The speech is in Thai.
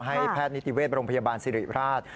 แพทย์นิติเวศโรงพยาบาลสิริราช